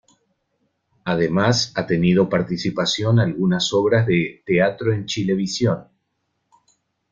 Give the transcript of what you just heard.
Además ha tenido participación algunas obras de "Teatro en Chilevisión".